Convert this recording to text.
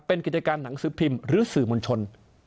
เป็นกิจการหนังสือพิมพ์หรือสื่อมวลชน